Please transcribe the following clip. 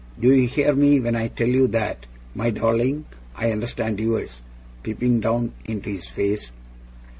Do you hear me when I tell you that, my darling? I understand yours,' peeping down into his face.